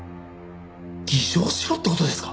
偽証しろって事ですか！？